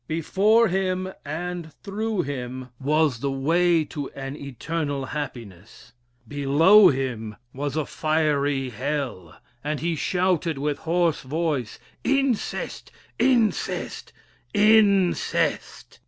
Before him and through him was the way to an eternal happiness, below him was a fiery hell; and he shouted with hoarse voice, _Incest, incest, incest!